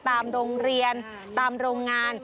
ตามโรงเรียนตามโรงงาน